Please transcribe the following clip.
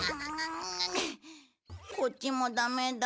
こっちもダメだ。